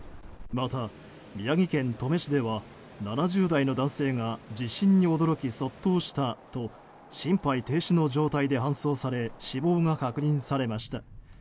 また、宮城県登米市では７０代の男性が地震に驚き卒倒したと心肺停止の状態で搬送され死亡が確認されました。